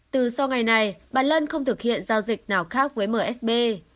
từ sau ngày này bà lân không thực hiện giao dịch nào khác với msb